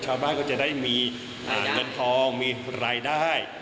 ชาวบ้านก็จะได้มีเงินทองมีรายได้